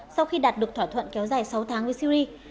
sau khi đạt được thỏa thuận kéo dài sáu tháng với syri